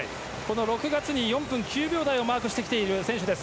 ６月に４分９秒台をマークしてきている選手です。